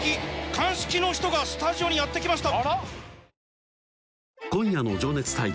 鑑識の人がスタジオにやって来ました！